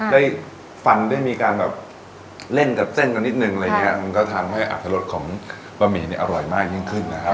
ได้ฟันได้มีการแบบเล่นกับเส้นกันนิดนึงอะไรอย่างเงี้ยมันก็ทำให้อัตรสของบะหมี่เนี่ยอร่อยมากยิ่งขึ้นนะครับ